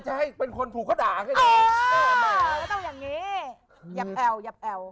จะให้อาจารย์